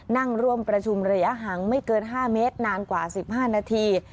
นั่งร่วมประชุมระยะหังไม่เกินห้าเมตรนานกว่าสิบห้านาที